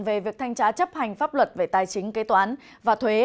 về việc thanh tra chấp hành pháp luật về tài chính kế toán và thuế